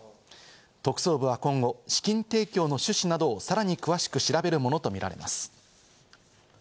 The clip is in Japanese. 特捜部は今後、資金提供の趣旨などをさらに詳しく調べるものとみられます。